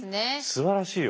すばらしいよ。